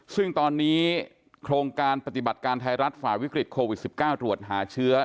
ซึ่งตอนนี้โครงการปฏิบัติการไทยรัฐฝ่าวิกฤตโควิด๑๙ตรวจหาเชื้อ